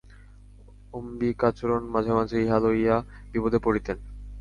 অম্বিকাচরণ মাঝে মাঝে ইহা লইয়া বিপদে পড়িতেন।